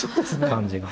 感じが。